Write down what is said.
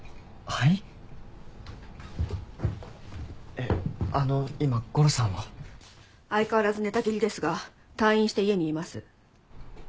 えっあの今ゴロさんは？相変わらず寝たきりですが退院して家にいます。